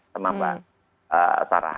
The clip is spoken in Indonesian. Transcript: sama mbak tara